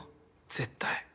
絶対。